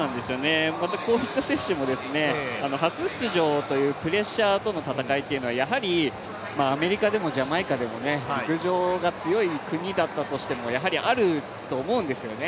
またこういった選手も、初出場というプレッシャーとの戦いというのは、やはりアメリカでもジャマイカでも陸上が強い国だったとしてもやはりあると思うんですよね。